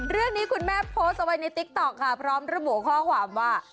เรื่องนี้คุณแม่โพสต์เอาไว้ในติ๊กต๊อกค่ะพร้อมระบุข้อความว่า